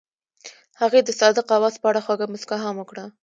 هغې د صادق اواز په اړه خوږه موسکا هم وکړه.